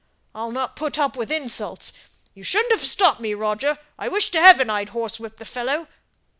I'll not put up with insults. You shouldn't have stopped me, Roger! I wish to heaven I'd horsewhipped the fellow!"